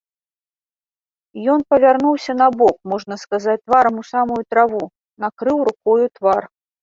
Ён павярнуўся на бок, можна сказаць, тварам у самую траву, накрыў рукою твар.